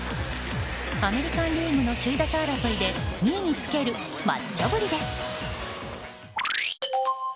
アメリカン・リーグの首位打者争いで２位につけるマッチョぶりです。